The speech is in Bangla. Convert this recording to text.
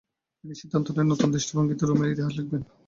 তিনি সিদ্ধান্ত নেন নতুন দৃষ্টিভঙ্গিতে রোমের ইতিহাস লিখবেন।